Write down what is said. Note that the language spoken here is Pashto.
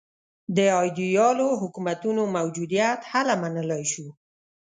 د ایدیالو حکومتونو موجودیت هله منلای شو.